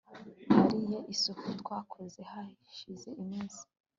nariye isupu twakoze hashize iminsi